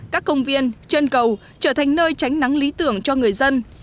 các công viên chân cầu trở thành nơi tránh nắng lý tưởng cho người dân